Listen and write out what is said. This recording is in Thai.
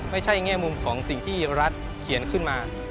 แง่มุมของสิ่งที่รัฐเขียนขึ้นมา